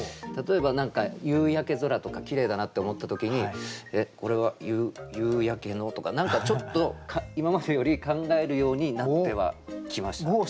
例えば何か夕焼け空とかきれいだなって思った時にこれは「夕焼けの」とか何かちょっと今までより考えるようになってはきました。